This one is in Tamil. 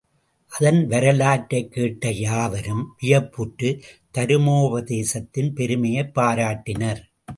அதன் வரலாற்றைக் கேட்ட யாவரும் வியப்புற்றுத் தருமோபதேசத்தின் பெருமையைப் பாராட்டினர்.